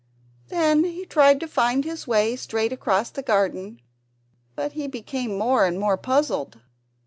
Then he tried to find his way straight across the garden, but he became more and more puzzled.